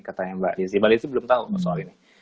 katanya mbak lizzy mbak lizzy belum tau soal ini